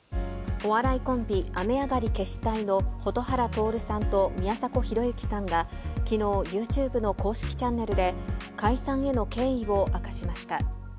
お笑いコンビ、雨上がり決死隊の蛍原徹さんと宮迫博之さんがきのう、ユーチューブの公式チャンネルで、解散への経緯を明かしました。